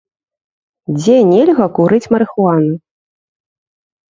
Дзе нельга курыць марыхуану?